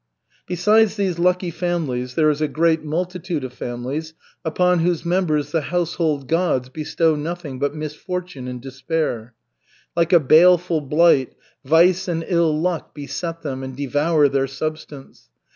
Besides these lucky families there is a great multitude of families upon whose members the household gods bestow nothing but misfortune and despair. Like a baleful blight, vice and ill luck beset them and devour their substance.